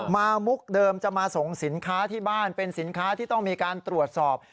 มุกเดิมจะมาส่งสินค้าที่บ้านเป็นสินค้าที่ต้องมีการตรวจสอบ